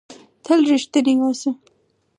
تل رښتنی اوسهٔ.